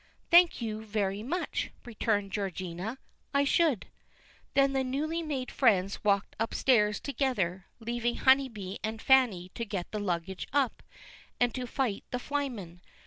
"Thank you very much," returned Georgina, "I should." Then the newly made friends walked upstairs together, leaving Honeybee and Fanny to get the luggage up, and to fight the flyman.